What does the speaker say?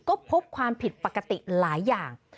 ก็พบความผิดปกติหลายอย่าง